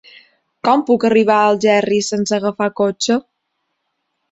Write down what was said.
Com puc arribar a Algerri sense agafar el cotxe?